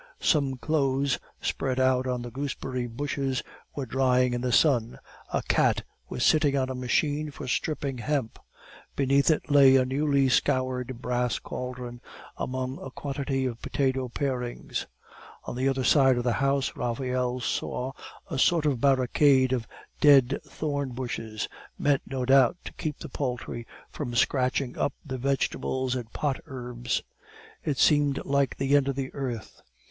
Some clothes spread out on the gooseberry bushes were drying in the sun. A cat was sitting on a machine for stripping hemp; beneath it lay a newly scoured brass caldron, among a quantity of potato parings. On the other side of the house Raphael saw a sort of barricade of dead thorn bushes, meant no doubt to keep the poultry from scratching up the vegetables and pot herbs. It seemed like the end of the earth.